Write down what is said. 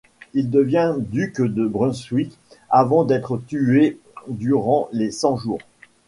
Il devient duc de Brunswick avant d'être tué durant les Cent-Jours.